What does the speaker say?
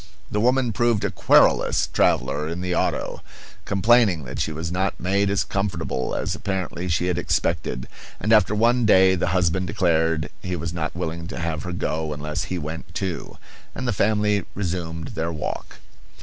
The woman proved a querulous traveller in the auto, complaining that she was not made as comfortable as apparently she had expected; and after one day the husband declared he was not willing to have her go unless he went too; and the family resumed their walk.